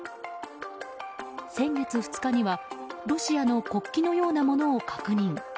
先月２日にはロシアの国旗のようなものを確認。